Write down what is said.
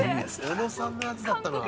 小野さんのやつだったの？